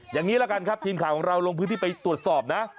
อย่างนี้ละกันครับทีมข่าวของเราลงพื้นที่ไปตรวจสอบนะ